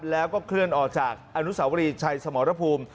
แล้วก็เคลื่อนออกจากอนุสาวรีชัยสมรภูมิ